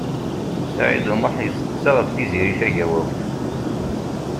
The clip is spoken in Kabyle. Saɛid U Muḥ yesteqsa ɣef Tiziri Tagawawt.